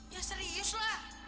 ya serius lah